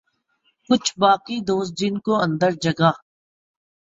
کچھ باقی دوست جن کو اندر جگہ